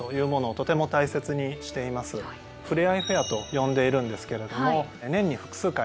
「ふれあいフェア」と呼んでいるんですけれども年に複数回